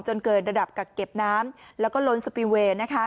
จนเกิดระดับกักเก็บน้ำแล้วก็ล้นสปีเวย์